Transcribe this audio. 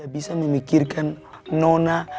bisa memikirkan nona